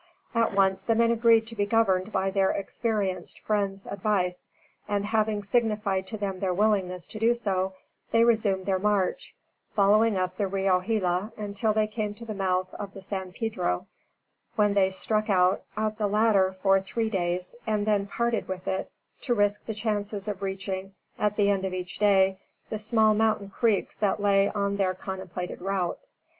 At once the men agreed to be governed by their experienced friend's advice, and, having signified to him their willingness to do so, they resumed their march, following up the Rio Gila, until they came to the mouth of the San Pedro, when they struck out up the latter for three days, and then parted with it to risk the chances of reaching, at the end of each day, the small mountain creeks that lay on their contemplated route.